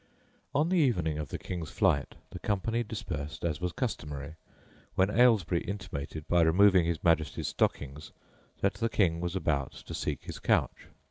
On the evening of the King's flight the company dispersed as was customary, when Ailesbury intimated, by removing his Majesty's stockings, that the King was about to seek his couch.